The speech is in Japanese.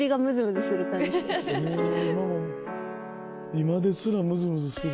今ですらムズムズする。